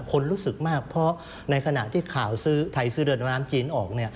คนรู้สึกมากเพราะในขณะที่ข่าวซื้อไทยซื้อเรือดำน้ำจีนออก